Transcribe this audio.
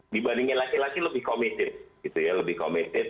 dibandingin laki laki lebih committed gitu ya lebih committed